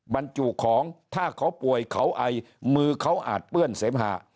บรรจุของถ้าเขาป่วยเขาไอมือเขาอาจเปื้อนเสมหะ